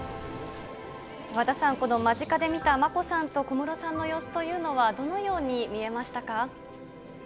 和田さん、間近で見た眞子さんと小室さんの様子というのは、どのように見えましたか。